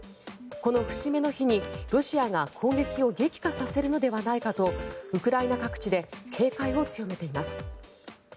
この節目の日に、ロシアが攻撃を激化させるのではないかとウクライナ各地で警戒を強めています。